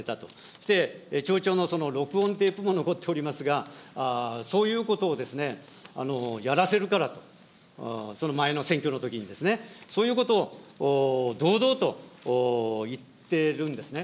そして町長の録音テープも残っておりますが、そういうことをですね、やらせるから、前の選挙のときに、そういうことを堂々と言ってるんですね。